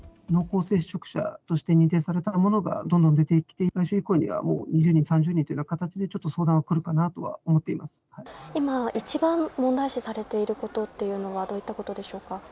濃厚接触者として認定された者がどんどん出てきて、来週以降にはもう２０人、３０人という形でちょっと相談来るかなと思って今一番問題視されていることっていうのはどういったことでしょうか。